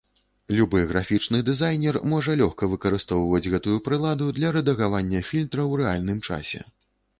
Любы графічны дызайнер можа лёгка выкарыстоўваць гэтую прыладу для рэдагавання фільтра ў рэальным часе.